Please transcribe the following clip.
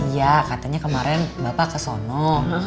ya katanya kemarin bapak ke sono